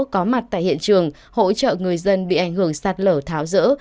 có mặt tại hiện trường hỗ trợ người dân bị ảnh hưởng sạt lở tháo rỡ